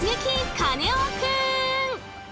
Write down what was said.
カネオくん！